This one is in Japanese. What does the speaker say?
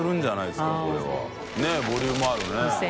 ボリュームあるね。